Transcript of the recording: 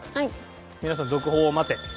皆さん続報を待て。